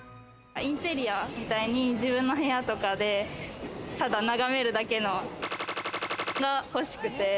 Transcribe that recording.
インテリアみたいに自分の部屋とかでただ眺めるだけのが欲しくて。